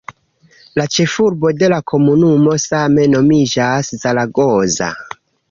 La ĉefurbo de la komunumo same nomiĝas "Zaragoza".